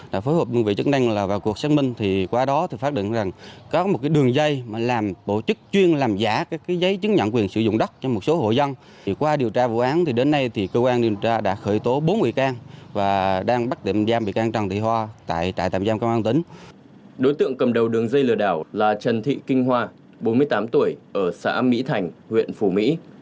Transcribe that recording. đối tượng cầm đầu đường dây lừa đảo là trần thị kinh hoa bốn mươi tám tuổi ở xã mỹ thành huyện phủ mỹ